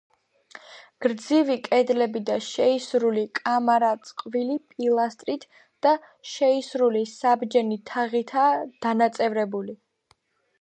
გრძივი კედლები და შეისრული კამარა წყვილი პილასტრით და შეისრული საბჯენი თაღითაა დანაწევრებული.